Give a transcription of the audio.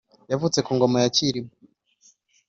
Yavutse Ku ngoma ya Kirima